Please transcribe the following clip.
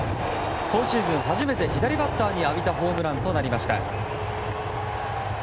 今シーズン初めて左バッターに浴びたホームランとなりました。